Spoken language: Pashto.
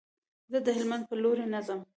زه د هلمند په لوري نه ځم.